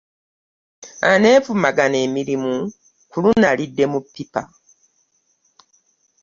Aneevumagana emirimu ku luno alidde mu ppipa.